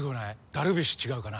ダルビッシュ違うかな